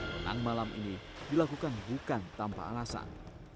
menang malam ini dilakukan bukan tanpa alasan